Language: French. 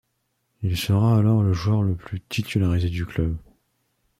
Il sera alors le joueur le plus titularisé du club.